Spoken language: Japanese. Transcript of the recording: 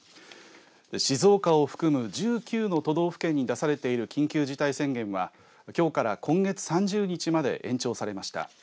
静岡を含む１９の都道府県に出されている緊急事態宣言はきょうから今月３０日まで延長されました。